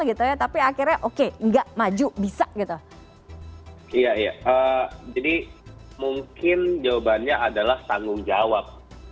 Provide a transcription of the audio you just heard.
gitu ya tapi akhirnya ok ke nggak maju bisa gitu iya jadi mungkin jawabannya adalah tanggung jawab